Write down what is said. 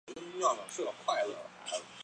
圣博代。